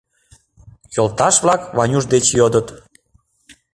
Йолташ-влак Ванюш деч йодыт: